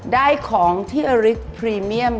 ได้ของเทอริกต์พรีเมียม